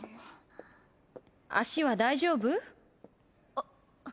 脚は大丈夫？